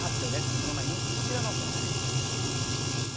その前にこちらのコーナーです。